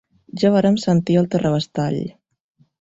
Ja vàrem sentir el terrabastall.